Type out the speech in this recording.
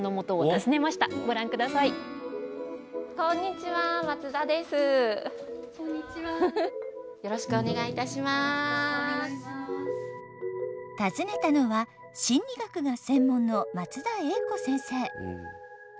訪ねたのは心理学が専門の松田英子先生。